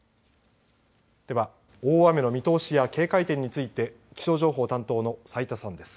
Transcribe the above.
では、大雨の見通しや警戒点について気象情報担当の斉田さんです。